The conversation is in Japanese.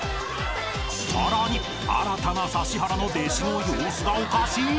［さらに新たな指原の弟子の様子がおかしい］